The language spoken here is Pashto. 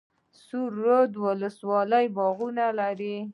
سره رود ولسوالۍ باغونه لري؟